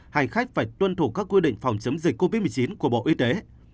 hành khách phải tuân thủ các quy định phòng chống dịch covid một mươi chín của bộ y tế